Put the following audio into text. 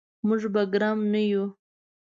موږ به ګرم نه یو.